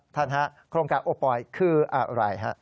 ท่านฮะโครงการโอปอยคืออะไรฮะ